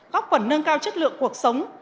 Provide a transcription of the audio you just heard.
góp phần nâng cao chất lượng cuộc sống